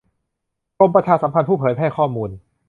กรมประชาสัมพันธ์ ผู้เผยแพร่ข้อมูล